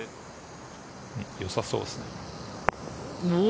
よさそうですね。